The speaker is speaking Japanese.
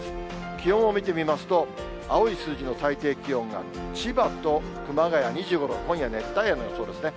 気温を見てみますと、青い数字の最低気温が、千葉と熊谷２５度、今夜、熱帯夜の予想ですね。